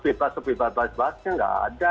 bebas bebas bahasanya tidak ada